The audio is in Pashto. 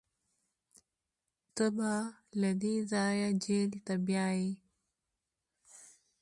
تا به له دې ځايه جېل ته بيايي.